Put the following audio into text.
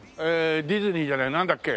ディズニーじゃないなんだっけ？